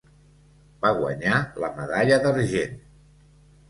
Va guanyar la medalla d'argent.